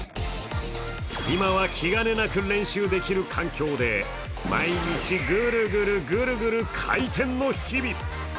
今は気兼ねなく練習できる環境で毎日グルグルグルグル回転の日々。